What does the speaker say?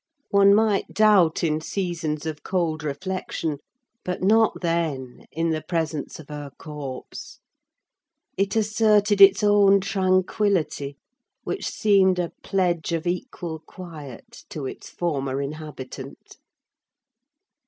One might doubt in seasons of cold reflection; but not then, in the presence of her corpse. It asserted its own tranquillity, which seemed a pledge of equal quiet to its former inhabitant.